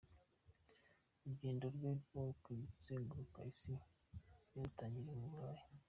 Urugendo rwe rwo kuzengurika isi yarutangiriye mu Burayi.